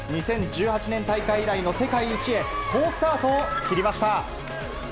２０１８年大会以来の世界一へ、好スタートを切りました。